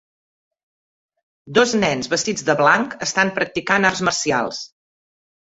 Dos nens vestits de blanc estan practicant arts marcials.